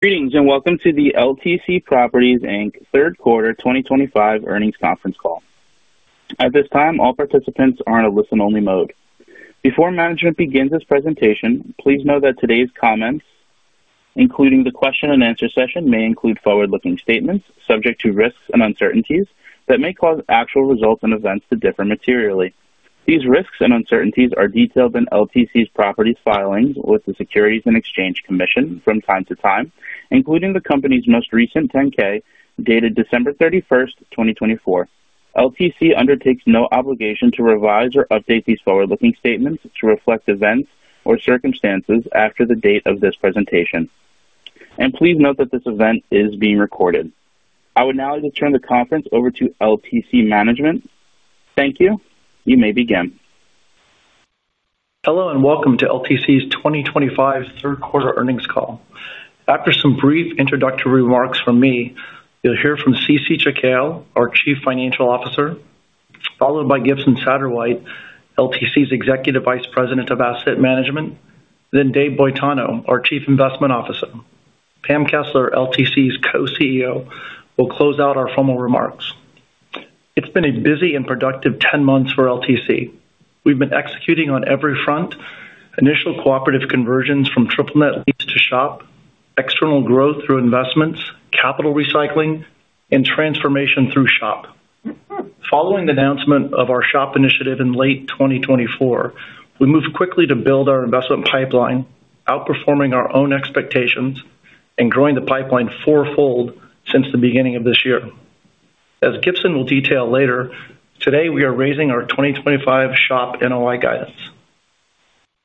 Greetings and welcome to the LTC Properties third quarter 2025 earnings conference call. At this time, all participants are in a listen-only mode. Before management begins this presentation, please know that today's comments, including the question-and-answer session, may include forward-looking statements subject to risks and uncertainties that may cause actual results and events to differ materially. These risks and uncertainties are detailed in LTC Properties' filings with the Securities and Exchange Commission from time to time, including the company's most recent 10-K dated December 31, 2024. LTC Properties undertakes no obligation to revise or update these forward-looking statements to reflect events or circumstances after the date of this presentation. Please note that this event is being recorded. I would now like to turn the conference over to LTC Properties management. Thank you. You may begin. Hello and welcome to LTC's 2025 Third Quarter earnings call. After some brief introductory remarks from me, you'll hear from Cece Chikhale, our Chief Financial Officer, followed by Gibson Satterwhite, LTC's Executive Vice President of Asset Management, then Dave Boitano, our Chief Investment Officer. Pam Cartrett, LTC's Co-CEO, will close out our formal remarks. It's been a busy and productive 10 months for LTC. We've been executing on every front: initial cooperative conversions from triple-net lease to SHOP, external growth through investments, capital recycling, and transformation through SHOP. Following the announcement of our SHOP initiative in late 2024, we moved quickly to build our investment pipeline, outperforming our own expectations and growing the pipeline four-fold since the beginning of this year. As Gibson will detail later, today we are raising our 2025 SHOP NOI guidance.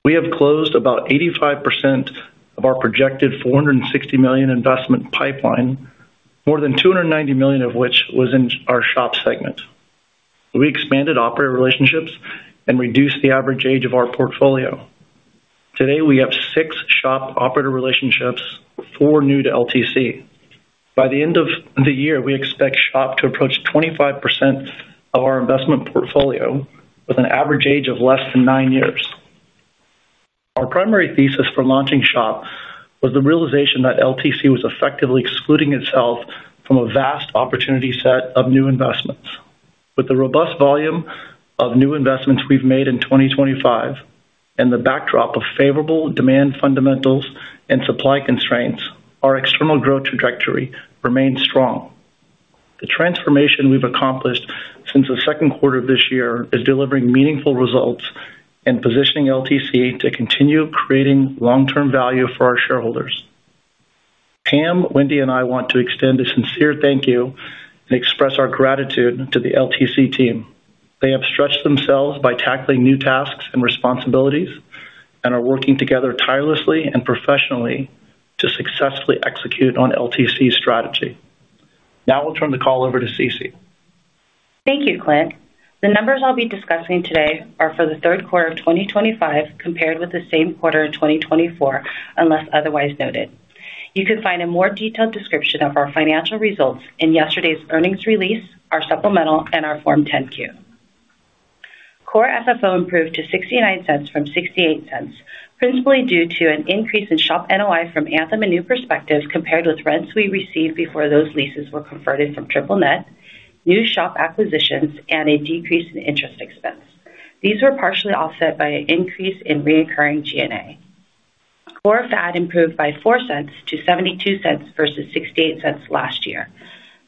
We have closed about 85% of our projected $460 million investment pipeline, more than $290 million of which was in our SHOP segment. We expanded operator relationships and reduced the average age of our portfolio. Today, we have six SHOP operator relationships, four new to LTC. By the end of the year, we expect SHOP to approach 25% of our investment portfolio with an average age of less than nine years. Our primary thesis for launching SHOP was the realization that LTC was effectively excluding itself from a vast opportunity set of new investments. With the robust volume of new investments we've made in 2025 and the backdrop of favorable demand fundamentals and supply constraints, our external growth trajectory remains strong. The transformation we've accomplished since the second quarter of this year is delivering meaningful results and positioning LTC to continue creating long-term value for our shareholders. Pam, Wendy, and I want to extend a sincere thank you and express our gratitude to the LTC team. They have stretched themselves by tackling new tasks and responsibilities and are working together tirelessly and professionally to successfully execute on LTC's strategy. Now I'll turn the call over to Cece. Thank you, Clint. The numbers I'll be discussing today are for the third quarter of 2025 compared with the same quarter of 2024, unless otherwise noted. You can find a more detailed description of our financial results in yesterday's earnings release, our supplemental, and our Form 10-Q. Core FFO improved to $0.69 from $0.68, principally due to an increase in SHOP NOI from Anthem and New Perspective compared with rents we received before those leases were converted from triple-net, new SHOP acquisitions, and a decrease in interest expense. These were partially offset by an increase in recurring G&A. Core FAD improved by $0.04-$0.72 versus $0.68 last year.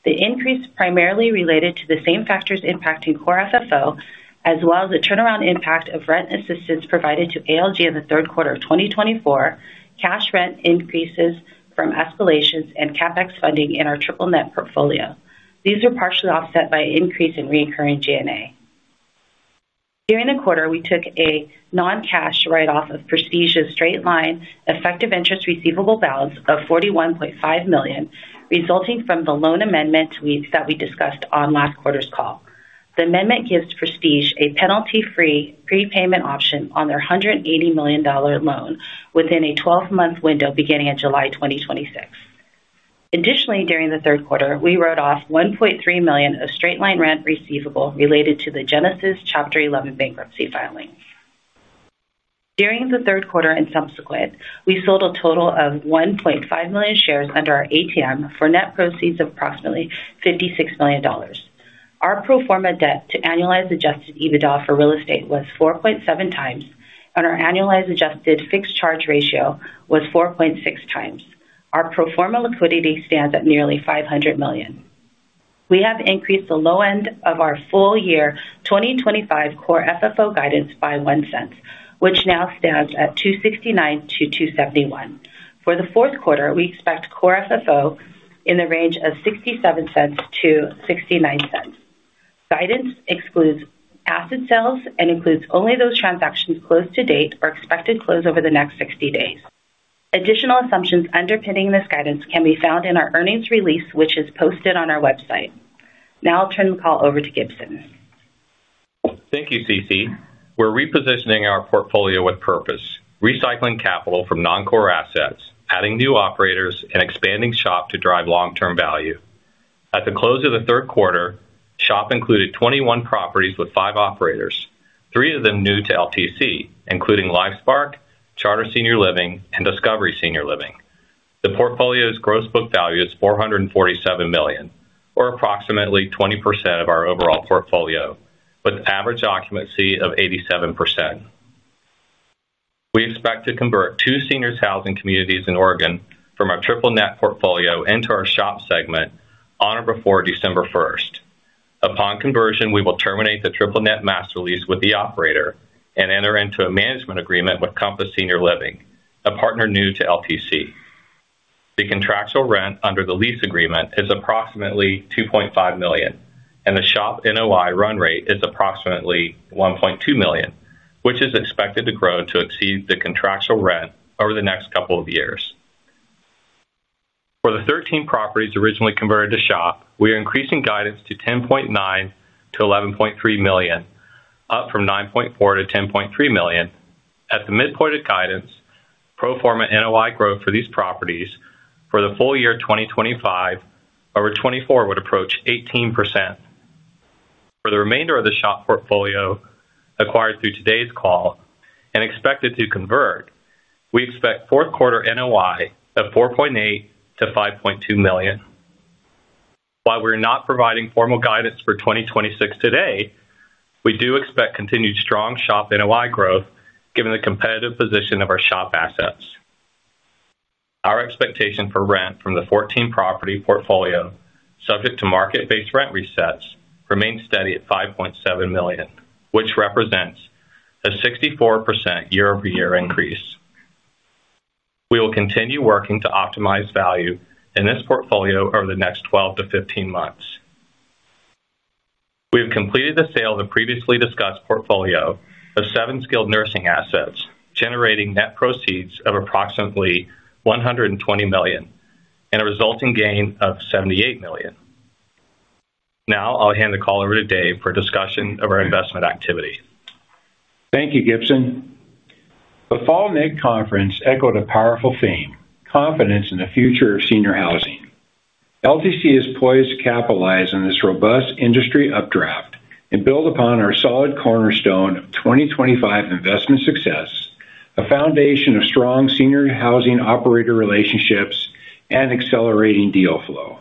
The increase primarily related to the same factors impacting core FFO, as well as the turnaround impact of rent assistance provided to ALG in the third quarter of 2024, cash rent increases from escalations, and CapEx funding in our triple-net portfolio. These were partially offset by an increase in reoccurring G&A. During the quarter, we took a non-cash write-off of Prestige's straight-line effective interest receivable balance of $41.5 million, resulting from the loan amendment weeks that we discussed on last quarter's call. The amendment gives Prestige a penalty-free prepayment option on their $180 million loan within a 12-month window beginning in July 2026. Additionally, during the third quarter, we wrote off $1.3 million of straight-line rent receivable related to the Genesis Chapter 11 bankruptcy filings. During the third quarter and subsequent, we sold a total of 1.5 million shares under our ATM for net proceeds of approximately $56 million. Our pro forma debt to annualized adjusted EBITDA for real estate was 4.7x, and our annualized adjusted fixed charge ratio was 4.6x. Our pro forma liquidity stands at nearly $500 million. We have increased the low end of our full year 2025 core FFO guidance by $0.01, which now stands at $2.69-$2.71. For the fourth quarter, we expect core FFO in the range of $0.67-$0.69. Guidance excludes asset sales and includes only those transactions closed to date or expected to close over the next 60 days. Additional assumptions underpinning this guidance can be found in our earnings release, which is posted on our website. Now I'll turn the call over to Gibson. Thank you, Cece. We're repositioning our portfolio with purpose: recycling capital from non-core assets, adding new operators, and expanding SHOP to drive long-term value. At the close of the third quarter, SHOP included 21 properties with five operators, three of them new to LTC, including LifeSpark, Charter Senior Living, and Discovery Senior Living. The portfolio's gross book value is $447 million, or approximately 20% of our overall portfolio, with average occupancy of 87%. We expect to convert two senior housing communities in Oregon from our triple-net portfolio into our SHOP segment on or before December 1. Upon conversion, we will terminate the triple-net master lease with the operator and enter into a management agreement with Compass Senior Living, a partner new to LTC. The contractual rent under the lease agreement is approximately $2.5 million, and the SHOP NOI run rate is approximately $1.2 million, which is expected to grow to exceed the contractual rent over the next couple of years. For the 13 properties originally converted to SHOP, we are increasing guidance to $10.9 million-$11.3 million, up from $9.4 million-$10.3 million. At the mid-point of guidance, pro forma NOI growth for these properties for the full year 2025 over 2024 would approach 18%. For the remainder of the SHOP portfolio acquired through today's call and expected to convert, we expect fourth quarter NOI of $4.8 million-$5.2 million. While we are not providing formal guidance for 2026 today, we do expect continued strong SHOP NOI growth given the competitive position of our SHOP assets. Our expectation for rent from the 14 property portfolio, subject to market-based rent resets, remains steady at $5.7 million, which represents a 64% year-over-year increase. We will continue working to optimize value in this portfolio over the next 12 to 15 months. We have completed the sale of the previously discussed portfolio of seven skilled nursing assets, generating net proceeds of approximately $120 million and a resulting gain of $78 million. Now I'll hand the call over to Dave for discussion of our investment activity. Thank you, Gibson. The fall NIG conference echoed a powerful theme: confidence in the future of senior housing. LTC is poised to capitalize on this robust industry updraft and build upon our solid cornerstone of 2025 investment success, a foundation of strong senior housing operator relationships and accelerating deal flow.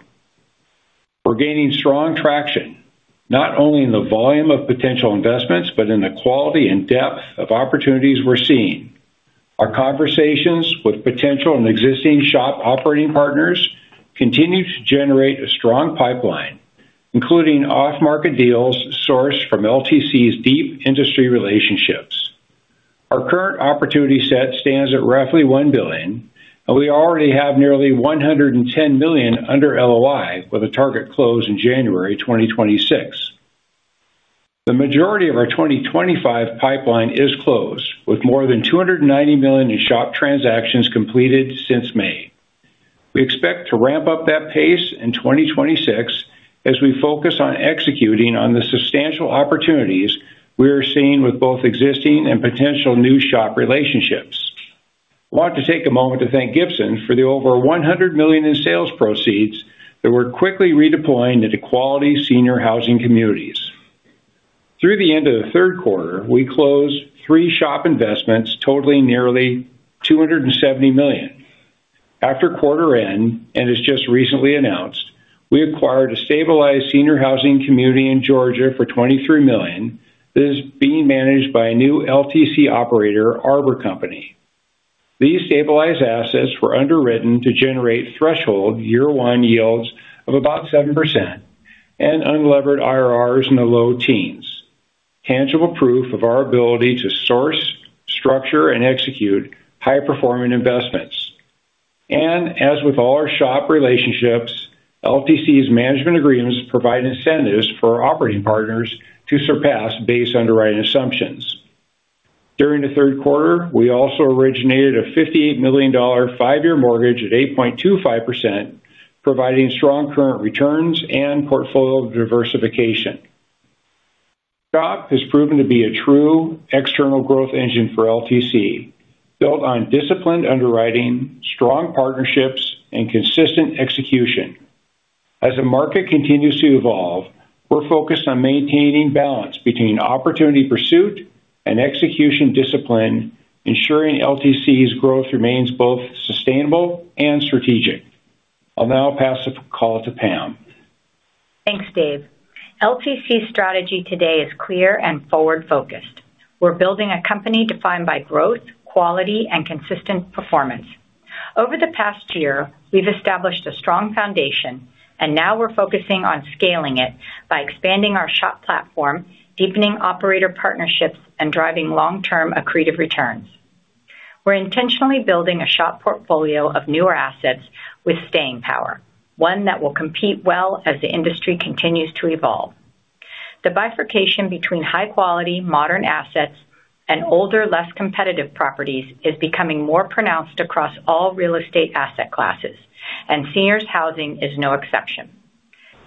We are gaining strong traction not only in the volume of potential investments but in the quality and depth of opportunities we are seeing. Our conversations with potential and existing SHOP operating partners continue to generate a strong pipeline, including off-market deals sourced from LTC's deep industry relationships. Our current opportunity set stands at roughly $1 billion, and we already have nearly $110 million under LOI with a target close in January 2026. The majority of our 2025 pipeline is closed, with more than $290 million in SHOP transactions completed since May. We expect to ramp up that pace in 2026 as we focus on executing on the substantial opportunities we are seeing with both existing and potential new SHOP relationships. I want to take a moment to thank Gibson for the over $100 million in sales proceeds that we're quickly redeploying into quality senior housing communities. Through the end of the third quarter, we closed three SHOP investments totaling nearly $270 million. After quarter end and as just recently announced, we acquired a stabilized senior housing community in Georgia for $23 million. This is being managed by a new LTC operator, Arbor Company. These stabilized assets were underwritten to generate threshold year-one yields of about 7% and unlevered IRRs in the low teens, tangible proof of our ability to source, structure, and execute high-performing investments. As with all our SHOP relationships, LTC's management agreements provide incentives for our operating partners to surpass base underwriting assumptions. During the third quarter, we also originated a $58 million five-year mortgage at 8.25%, providing strong current returns and portfolio diversification. SHOP has proven to be a true external growth engine for LTC, built on disciplined underwriting, strong partnerships, and consistent execution. As the market continues to evolve, we are focused on maintaining balance between opportunity pursuit and execution discipline, ensuring LTC's growth remains both sustainable and strategic. I will now pass the call to Pam. Thanks, Dave. LTC's strategy today is clear and forward-focused. We're building a company defined by growth, quality, and consistent performance. Over the past year, we've established a strong foundation, and now we're focusing on scaling it by expanding our SHOP platform, deepening operator partnerships, and driving long-term accretive returns. We're intentionally building a SHOP portfolio of newer assets with staying power, one that will compete well as the industry continues to evolve. The bifurcation between high-quality, modern assets and older, less competitive properties is becoming more pronounced across all real estate asset classes, and seniors' housing is no exception.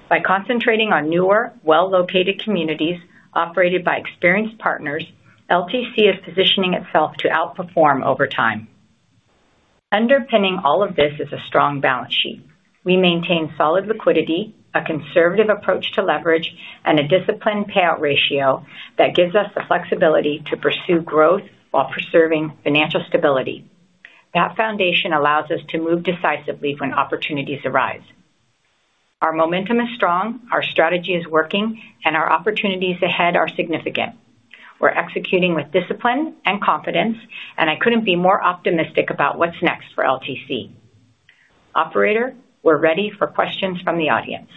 By concentrating on newer, well-located communities operated by experienced partners, LTC is positioning itself to outperform over time. Underpinning all of this is a strong balance sheet. We maintain solid liquidity, a conservative approach to leverage, and a disciplined payout ratio that gives us the flexibility to pursue growth while preserving financial stability. That foundation allows us to move decisively when opportunities arise. Our momentum is strong, our strategy is working, and our opportunities ahead are significant. We're executing with discipline and confidence, and I couldn't be more optimistic about what's next for LTC. Operator, we're ready for questions from the audience.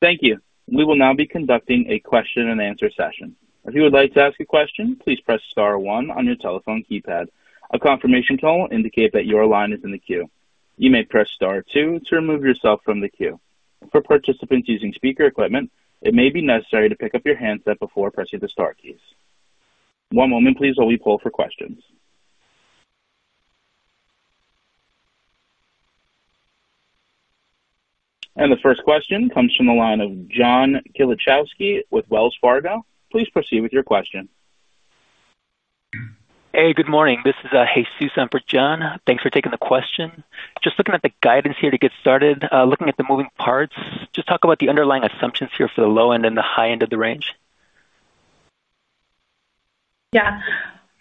Thank you. We will now be conducting a question-and-answer session. If you would like to ask a question, please press Star one on your telephone keypad. A confirmation tone will indicate that your line is in the queue. You may press Star two to remove yourself from the queue. For participants using speaker equipment, it may be necessary to pick up your handset before pressing the Star keys. One moment, please, while we poll for questions. The first question comes from the line of John Kieliczewski with Wells Fargo. Please proceed with your question. Hey, good morning. This is Hayes Stewart for John. Thanks for taking the question. Just looking at the guidance here to get started, looking at the moving parts, just talk about the underlying assumptions here for the low end and the high end of the range. Yeah.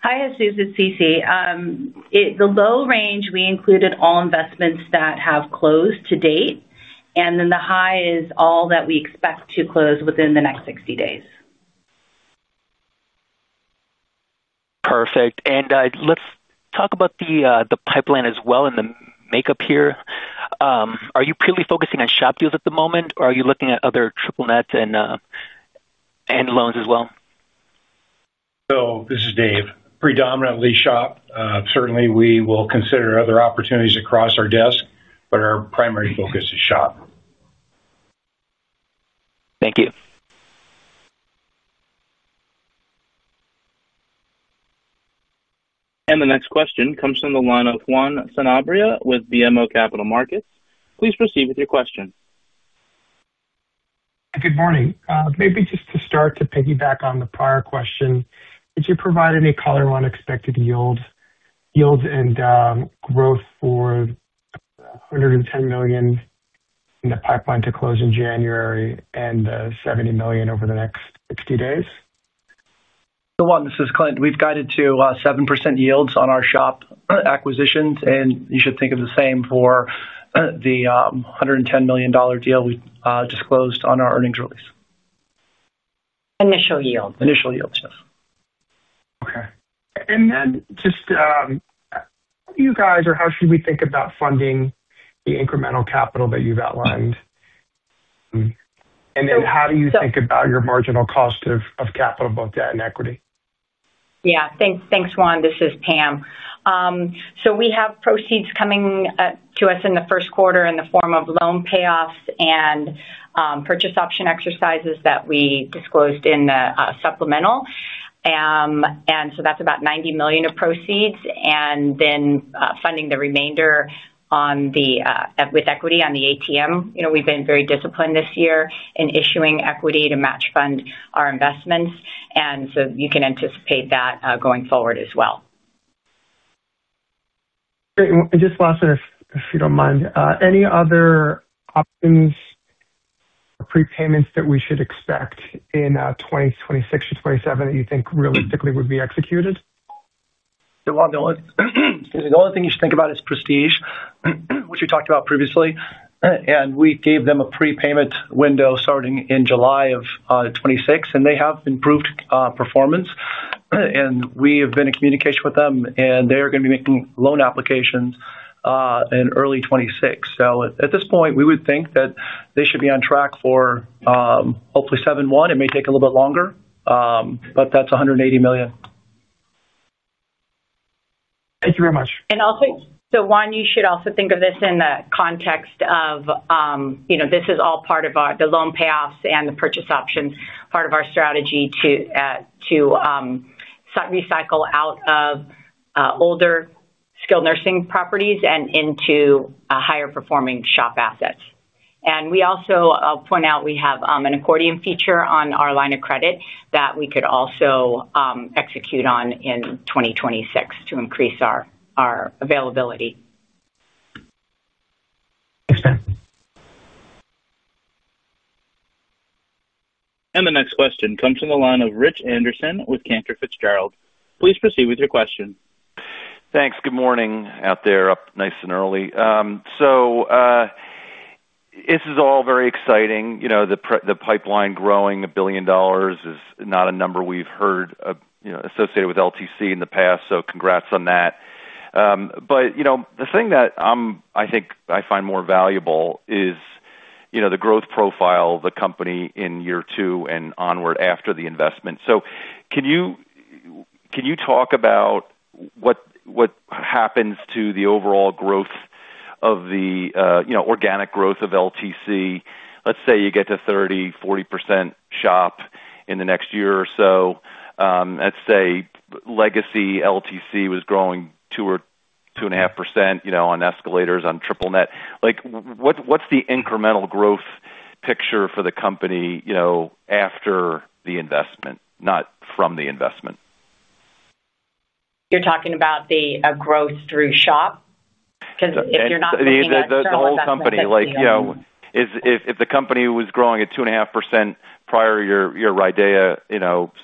Hi, Hayes, it's Cece. The low range, we included all investments that have closed to date, and then the high is all that we expect to close within the next 60 days. Perfect. Let's talk about the pipeline as well and the makeup here. Are you purely focusing on SHOP deals at the moment, or are you looking at other triple-net leases and loans as well? This is Dave. Predominantly SHOP. Certainly, we will consider other opportunities across our desk, but our primary focus is SHOP. Thank you. The next question comes from the line of Juan Sanabria with BMO Capital Markets. Please proceed with your question. Good morning. Maybe just to start to piggyback on the prior question, did you provide any color on expected yields and growth for $110 million in the pipeline to close in January and $70 million over the next 60 days? Juan, this is Clint. We've guided to 7% yields on our SHOP acquisitions, and you should think of the same for the $110 million deal we disclosed on our earnings release. Initial yields. Initial yields, yes. Okay. And then just how do you guys or how should we think about funding the incremental capital that you've outlined? And then how do you think about your marginal cost of capital, both debt and equity? Yeah. Thanks, Juan. This is Pam. We have proceeds coming to us in the first quarter in the form of loan payoffs and purchase option exercises that we disclosed in the supplemental. That is about $90 million of proceeds, and then funding the remainder with equity on the ATM. We have been very disciplined this year in issuing equity to match fund our investments, and you can anticipate that going forward as well. Great. Just lastly, if you don't mind, any other options or prepayments that we should expect in 2026 or 2027 that you think realistically would be executed? Juan, the only thing you should think about is Prestige, which we talked about previously. We gave them a prepayment window starting in July of 2026, and they have improved performance. We have been in communication with them, and they are going to be making loan applications in early 2026. At this point, we would think that they should be on track for, hopefully, 2027. It may take a little bit longer, but that is $180 million. Thank you very much. Juan, you should also think of this in the context of this is all part of the loan payoffs and the purchase options, part of our strategy to recycle out of older skilled nursing properties and into higher-performing SHOP assets. We also point out we have an accordion feature on our line of credit that we could also execute on in 2026 to increase our availability. Thanks, Pam. The next question comes from the line of Rich Anderson with Cantor Fitzgerald. Please proceed with your question. Thanks. Good morning out there, up nice and early. This is all very exciting. The pipeline growing a billion dollars is not a number we've heard associated with LTC in the past, so congrats on that. The thing that I think I find more valuable is the growth profile of the company in year two and onward after the investment. Can you talk about what happens to the overall growth of the organic growth of LTC? Let's say you get to 30%-40% SHOP in the next year or so. Let's say legacy LTC was growing 2% or 2.5% on escalators on triple-net. What's the incremental growth picture for the company after the investment, not from the investment? You're talking about the growth through SHOP? Because if you're not. The whole company. If the company was growing at 2.5% prior to your RIDEA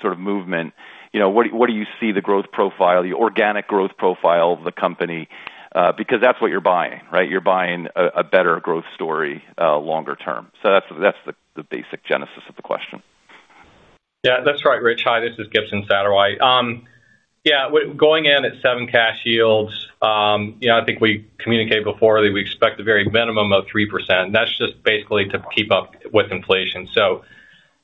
sort of movement, what do you see the growth profile, the organic growth profile of the company? Because that's what you're buying, right? You're buying a better growth story longer term. So that's the basic genesis of the question. Yeah, that's right, Rich. Hi, this is Gibson Satterwhite. Yeah, going in at 7% cash yields, I think we communicated before that we expect the very minimum of 3%. That's just basically to keep up with inflation.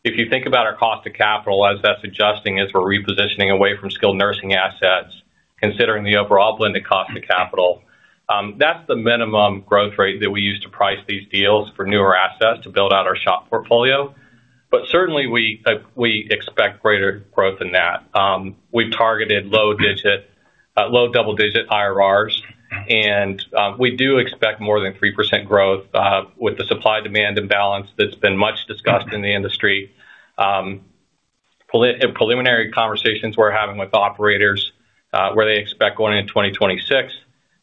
If you think about our cost of capital as that's adjusting as we're repositioning away from skilled nursing assets, considering the overall blended cost of capital, that's the minimum growth rate that we use to price these deals for newer assets to build out our SHOP portfolio. Certainly, we expect greater growth than that. We've targeted low double-digit IRRs, and we do expect more than 3% growth with the supply-demand imbalance that's been much discussed in the industry. Preliminary conversations we're having with operators where they expect going into 2026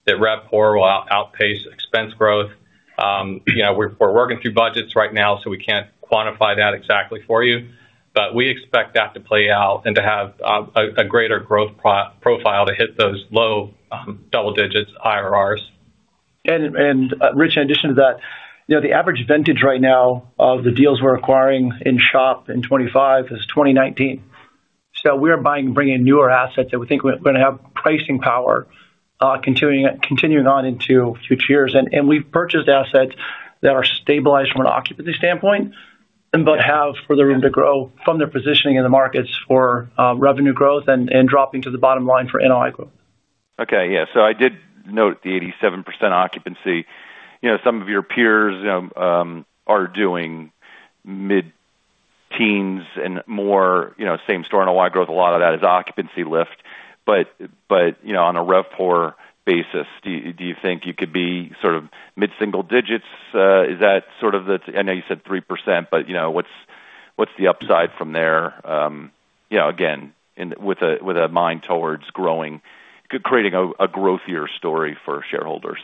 that RevPAR will outpace expense growth. We're working through budgets right now, so we can't quantify that exactly for you, but we expect that to play out and to have a greater growth profile to hit those low double-digit IRRs. Rich, in addition to that, the average vintage right now of the deals we are acquiring in SHOP in 2025 is 2019. We are bringing newer assets that we think are going to have pricing power continuing on into future years. We have purchased assets that are stabilized from an occupancy standpoint but have further room to grow from their positioning in the markets for revenue growth and dropping to the bottom line for NOI growth. Okay. Yeah. So I did note the 87% occupancy. Some of your peers are doing mid-teens and more, same store NOI growth, a lot of that is occupancy lift. But on a RevPAR basis, do you think you could be sort of mid-single digits? Is that sort of the—I know you said 3%, but what's the upside from there? Again, with a mind towards creating a growthier story for shareholders,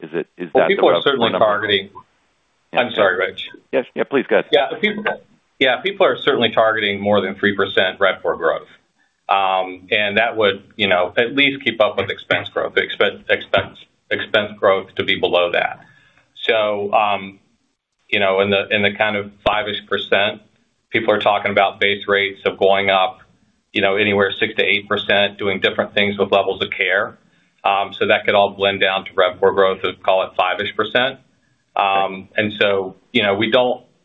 is that the goal? People are certainly targeting—I'm sorry, Rich. Yes. Yeah, please, go ahead. Yeah. People are certainly targeting more than 3% RevPAR growth. And that would at least keep up with expense growth, expense growth to be below that. In the kind of 5% range, people are talking about base rates of going up anywhere 6%-8%, doing different things with levels of care. That could all blend down to RevPAR growth of, call it, 5%.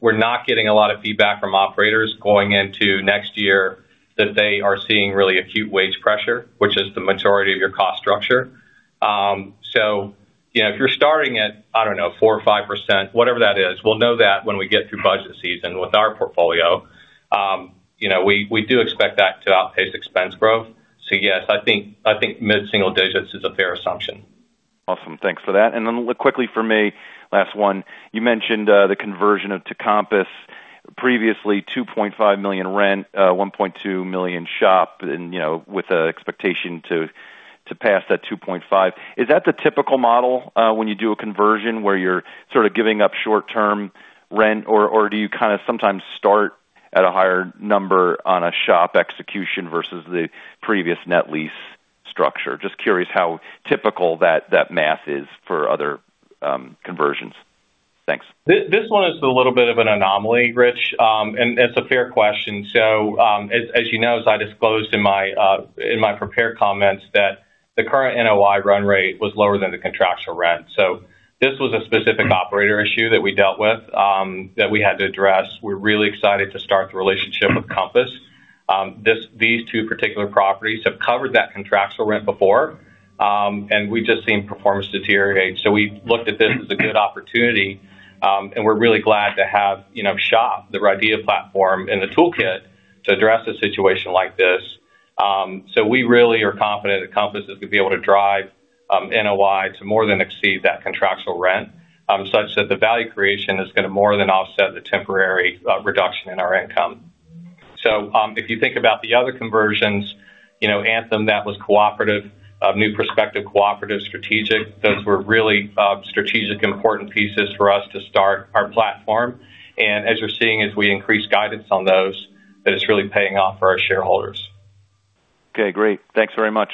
We're not getting a lot of feedback from operators going into next year that they are seeing really acute wage pressure, which is the majority of your cost structure. If you're starting at, I don't know, 4%-5%, whatever that is, we'll know that when we get through budget season with our portfolio. We do expect that to outpace expense growth. Yes, I think mid-single digits is a fair assumption. Awesome. Thanks for that. And then quickly for me, last one. You mentioned the conversion to Compass. Previously, $2.5 million rent, $1.2 million SHOP, and with an expectation to pass that $2.5. Is that the typical model when you do a conversion where you're sort of giving up short-term rent, or do you kind of sometimes start at a higher number on a SHOP execution versus the previous net lease structure? Just curious how typical that math is for other conversions. Thanks. This one is a little bit of an anomaly, Rich, and it's a fair question. As you know, as I disclosed in my prepared comments, the current NOI run rate was lower than the contractual rent. This was a specific operator issue that we dealt with that we had to address. We're really excited to start the relationship with Compass. These two particular properties have covered that contractual rent before, and we've just seen performance deteriorate. We looked at this as a good opportunity, and we're really glad to have SHOP, the RIDEA platform, in the toolkit to address a situation like this. We really are confident that Compass is going to be able to drive NOI to more than exceed that contractual rent such that the value creation is going to more than offset the temporary reduction in our income. If you think about the other conversions, Anthem that was cooperative, New Perspective cooperative, strategic, those were really strategic, important pieces for us to start our platform. As you're seeing as we increase guidance on those, it's really paying off for our shareholders. Okay. Great. Thanks very much.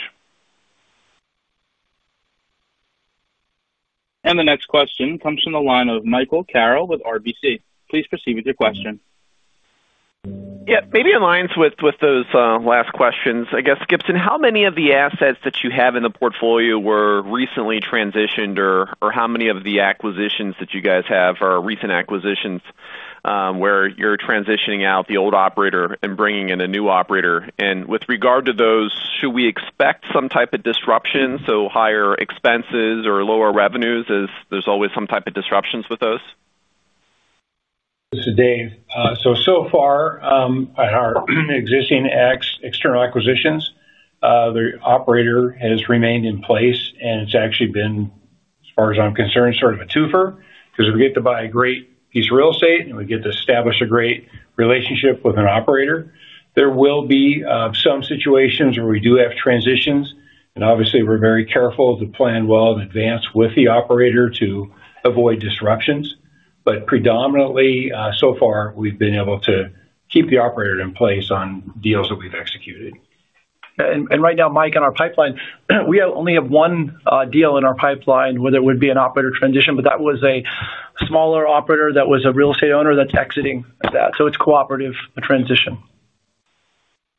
The next question comes from the line of Michael Carroll with RBC. Please proceed with your question. Yeah. Maybe in line with those last questions. I guess, Gibson, how many of the assets that you have in the portfolio were recently transitioned, or how many of the acquisitions that you guys have are recent acquisitions where you're transitioning out the old operator and bringing in a new operator? With regard to those, should we expect some type of disruption, so higher expenses or lower revenues, as there's always some type of disruptions with those? This is Dave. So far, at our existing external acquisitions, the operator has remained in place, and it's actually been, as far as I'm concerned, sort of a twofer because if we get to buy a great piece of real estate and we get to establish a great relationship with an operator, there will be some situations where we do have transitions. Obviously, we're very careful to plan well in advance with the operator to avoid disruptions. Predominantly, so far, we've been able to keep the operator in place on deals that we've executed. Right now, Mike, in our pipeline, we only have one deal in our pipeline where there would be an operator transition, but that was a smaller operator that was a real estate owner that's exiting that. It's a cooperative transition.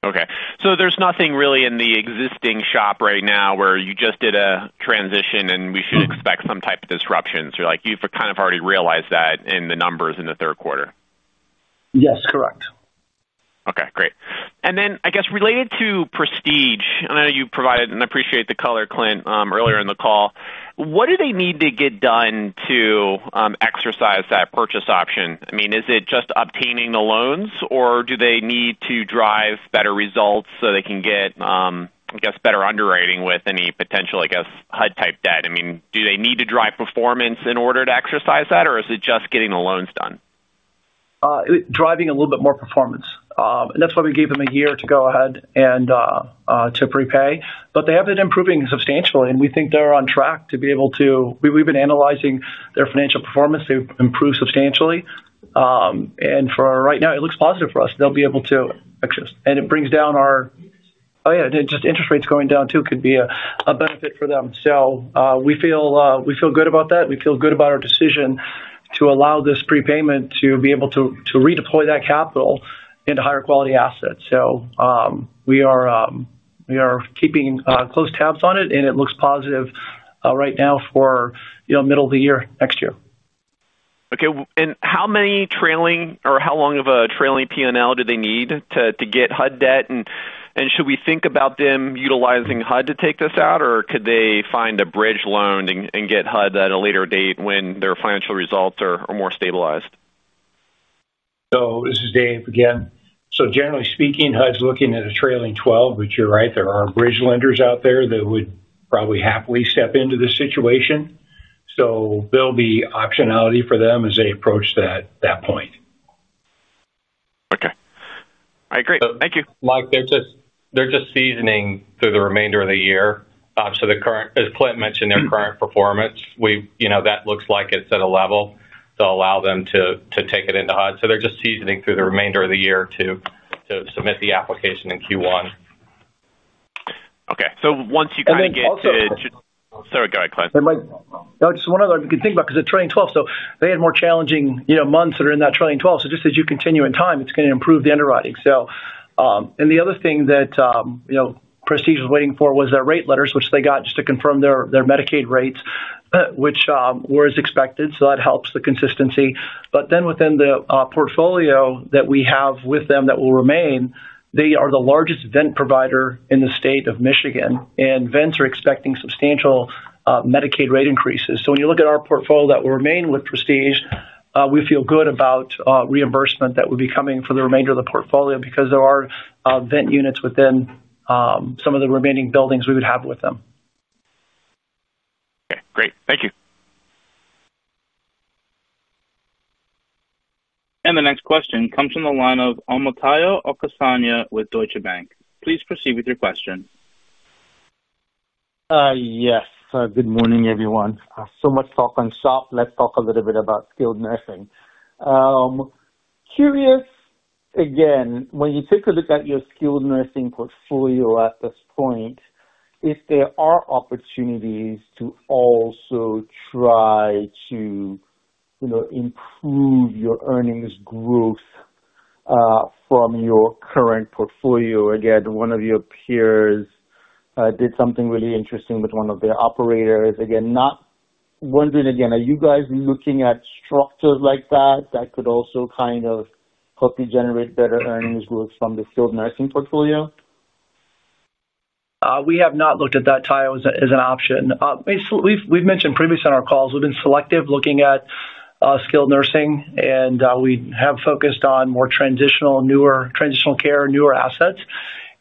Okay. So there's nothing really in the existing SHOP right now where you just did a transition and we should expect some type of disruption. So you've kind of already realized that in the numbers in the third quarter. Yes. Correct. Okay. Great. I guess, related to Prestige, I know you provided—and I appreciate the color, Clint—earlier in the call. What do they need to get done to exercise that purchase option? I mean, is it just obtaining the loans, or do they need to drive better results so they can get, I guess, better underwriting with any potential, I guess, HUD-type debt? I mean, do they need to drive performance in order to exercise that, or is it just getting the loans done? Driving a little bit more performance. That is why we gave them a year to go ahead and to prepay. They have been improving substantially, and we think they are on track to be able to—we have been analyzing their financial performance. They have improved substantially. For right now, it looks positive for us. They will be able to exercise. It brings down our—oh, yeah, just interest rates going down too could be a benefit for them. We feel good about that. We feel good about our decision to allow this prepayment to be able to redeploy that capital into higher-quality assets. We are keeping close tabs on it, and it looks positive right now for middle of the year next year. Okay. How many trailing or how long of a trailing P&L do they need to get HUD debt? Should we think about them utilizing HUD to take this out, or could they find a bridge loan and get HUD at a later date when their financial results are more stabilized? This is Dave again. Generally speaking, HUD's looking at a trailing 12, which you're right. There are bridge lenders out there that would probably happily step into this situation. There will be optionality for them as they approach that point. Okay. All right. Great. Thank you. Mike, they're just seasoning through the remainder of the year. As Clint mentioned, their current performance, that looks like it's at a level to allow them to take it into HUD. They're just seasoning through the remainder of the year to submit the application in Q1. Okay. So once you kind of get—sorry, go ahead, Clint. No, just one other thing to think about because they're trailing 12. They had more challenging months that are in that trailing 12. Just as you continue in time, it's going to improve the underwriting. The other thing that Prestige was waiting for was their rate letters, which they got just to confirm their Medicaid rates, which were as expected. That helps the consistency. Within the portfolio that we have with them that will remain, they are the largest vent provider in the state of Michigan, and vents are expecting substantial Medicaid rate increases. When you look at our portfolio that will remain with Prestige, we feel good about reimbursement that will be coming for the remainder of the portfolio because there are vent units within some of the remaining buildings we would have with them. Okay. Great. Thank you. The next question comes from the line of Omotayo Okusanya with Deutsche Bank. Please proceed with your question. Yes. Good morning, everyone. So much talk on SHOP. Let's talk a little bit about skilled nursing. Curious, again, when you take a look at your skilled nursing portfolio at this point, if there are opportunities to also try to improve your earnings growth from your current portfolio. Again, one of your peers did something really interesting with one of their operators. Not wondering again, are you guys looking at structures like that that could also kind of help you generate better earnings growth from the skilled nursing portfolio? We have not looked at that tile as an option. We've mentioned previously on our calls, we've been selective looking at skilled nursing, and we have focused on more transitional care, newer assets.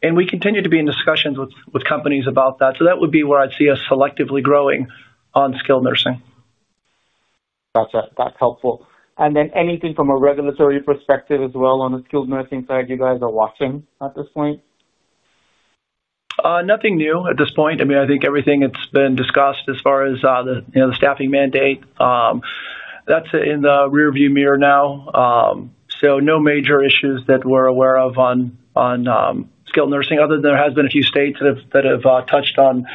We continue to be in discussions with companies about that. That would be where I'd see us selectively growing on skilled nursing. Gotcha. That's helpful. Anything from a regulatory perspective as well on the skilled nursing side you guys are watching at this point? Nothing new at this point. I mean, I think everything that's been discussed as far as the staffing mandate, that's in the rearview mirror now. No major issues that we're aware of on skilled nursing other than there has been a few states that have touched on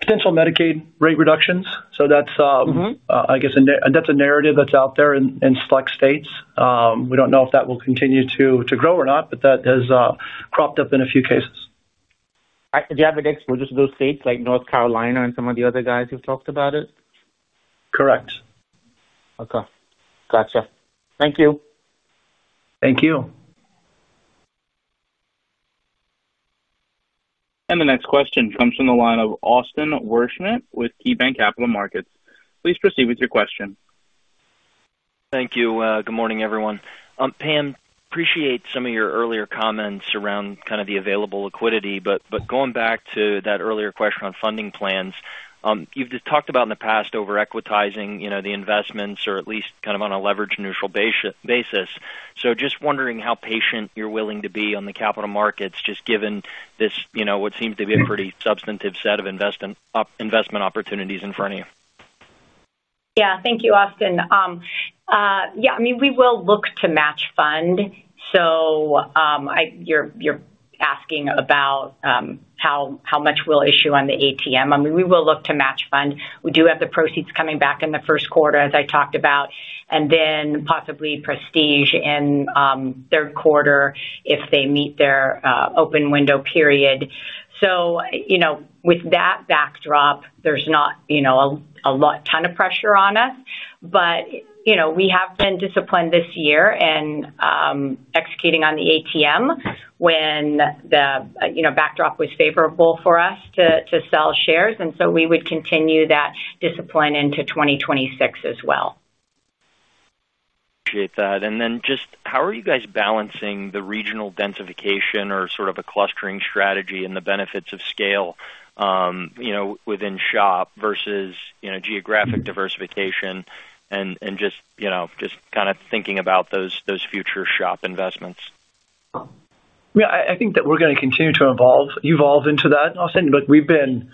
potential Medicaid rate reductions. I guess that's a narrative that's out there in select states. We don't know if that will continue to grow or not, but that has cropped up in a few cases. All right. Do you have an exposure to those states like North Carolina and some of the other guys who've talked about it? Correct. Okay. Gotcha. Thank you. Thank you. The next question comes from the line of Austin Wurschmidt with KeyBanc Capital Markets. Please proceed with your question. Thank you. Good morning, everyone. Pam, appreciate some of your earlier comments around kind of the available liquidity. Going back to that earlier question on funding plans, you've talked about in the past over-equitizing the investments or at least kind of on a leveraged neutral basis. Just wondering how patient you're willing to be on the capital markets just given this, what seems to be a pretty substantive set of investment opportunities in front of you. Yeah. Thank you, Austin. Yeah. I mean, we will look to match fund. You're asking about how much we'll issue on the ATM. I mean, we will look to match fund. We do have the proceeds coming back in the first quarter, as I talked about, and then possibly Prestige in third quarter if they meet their open window period. With that backdrop, there's not a ton of pressure on us. We have been disciplined this year in executing on the ATM when the backdrop was favorable for us to sell shares. We would continue that discipline into 2026 as well. Appreciate that. How are you guys balancing the regional densification or sort of a clustering strategy and the benefits of scale within SHOP versus geographic diversification and just kind of thinking about those future SHOP investments? Yeah. I think that we're going to continue to evolve into that. I'll say, look, we've been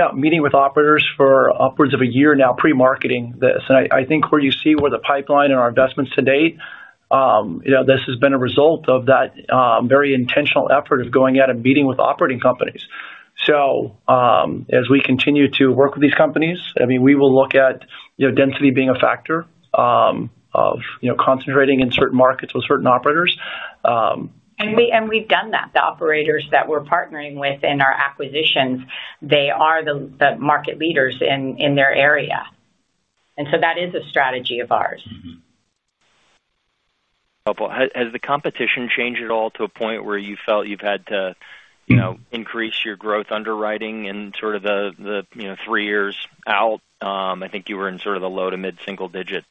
out meeting with operators for upwards of a year now pre-marketing this. And I think where you see where the pipeline and our investments to date. This has been a result of that very intentional effort of going out and meeting with operating companies. As we continue to work with these companies, I mean, we will look at density being a factor. Of concentrating in certain markets with certain operators. We have done that. The operators that we are partnering with in our acquisitions, they are the market leaders in their area. That is a strategy of ours. Helpful. Has the competition changed at all to a point where you felt you've had to increase your growth underwriting in sort of the three years out? I think you were in sort of the low to mid-single-digit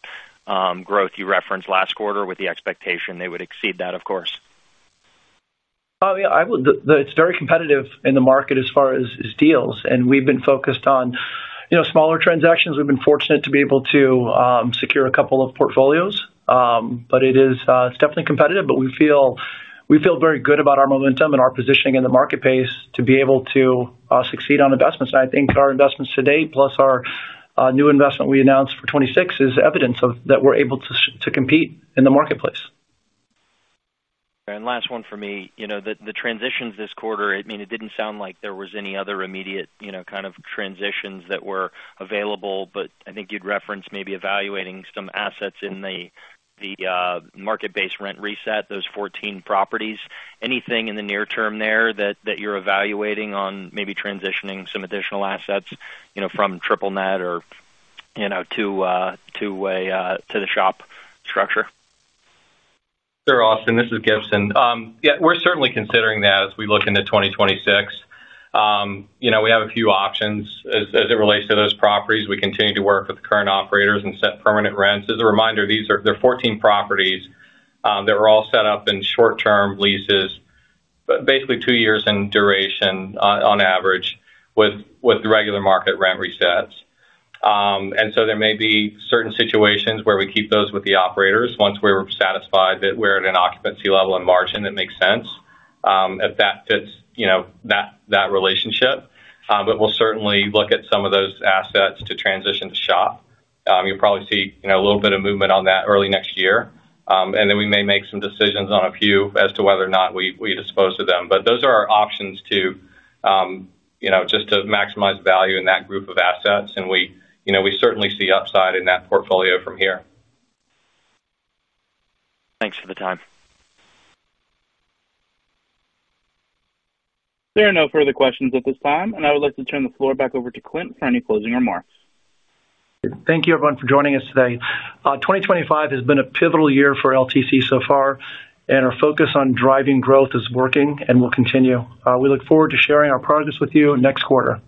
growth you referenced last quarter with the expectation they would exceed that, of course. Oh, yeah. It's very competitive in the market as far as deals. We've been focused on smaller transactions. We've been fortunate to be able to secure a couple of portfolios. It's definitely competitive. We feel very good about our momentum and our positioning in the marketplace to be able to succeed on investments. I think our investments today, plus our new investment we announced for 2026, is evidence that we're able to compete in the marketplace. Last one for me. The transitions this quarter, I mean, it didn't sound like there was any other immediate kind of transitions that were available. I think you'd referenced maybe evaluating some assets in the market-based rent reset, those 14 properties. Anything in the near term there that you're evaluating on maybe transitioning some additional assets from triple net or to the SHOP structure? Sure, Austin. This is Gibson. Yeah. We're certainly considering that as we look into 2026. We have a few options as it relates to those properties. We continue to work with the current operators and set permanent rents. As a reminder, there are 14 properties that were all set up in short-term leases, basically two years in duration on average with regular market rent resets. There may be certain situations where we keep those with the operators once we're satisfied that we're at an occupancy level and margin that makes sense, if that fits that relationship. We will certainly look at some of those assets to transition to SHOP. You'll probably see a little bit of movement on that early next year. We may make some decisions on a few as to whether or not we dispose of them. Those are our options too. Just to maximize value in that group of assets. We certainly see upside in that portfolio from here. Thanks for the time. There are no further questions at this time. I would like to turn the floor back over to Clint for any closing remarks. Thank you, everyone, for joining us today. 2024 has been a pivotal year for LTC so far, and our focus on driving growth is working and will continue. We look forward to sharing our progress with you next quarter.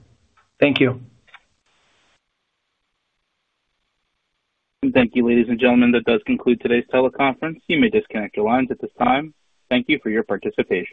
Thank you. Thank you, ladies and gentlemen. That does conclude today's teleconference. You may disconnect your lines at this time. Thank you for your participation.